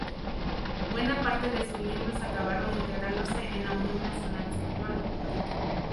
Buena parte de sus miembros acabaron integrándose en la Unión Nacional Española.